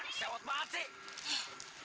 lu sewat banget sih